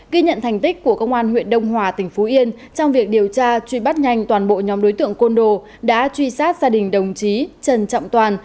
ghi nhận thành tích của công an huyện đông hòa tỉnh phú yên trong việc điều tra truy bắt nhanh toàn bộ nhóm đối tượng côn đồ đã truy sát gia đình đồng chí trần trọng toàn